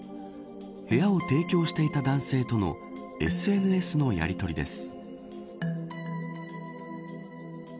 部屋を提供していた男性とのＳＮＳのやりとりです。